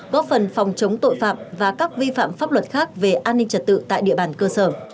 góp phần phòng chống tội phạm và các vi phạm pháp luật khác về an ninh trật tự tại địa bàn cơ sở